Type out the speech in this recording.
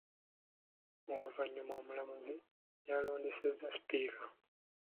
Oluvannyuma Omulamuzi yalondesezza Sipiika.